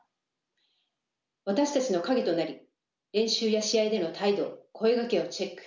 私たちの影となり練習や試合での態度声掛けをチェック。